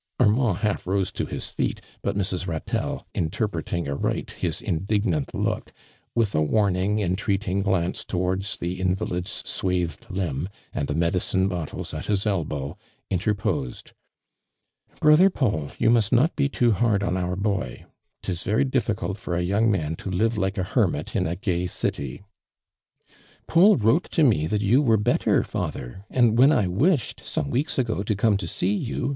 ' Armand half rose to his feet, but Mrs. Ratelle, interpreting aright his indignant look, with a warning, entreating glance towards the invalid's swathed limb, and the medicine bottles at his elbow, interposed : "Brother Paul, you must not be too hard on our boy I 'Tis very difficult for a young man to live like a hermit in a gay city." " Paul wrote to me that you were better, father; and when I wished, some weeks ago, to come to see you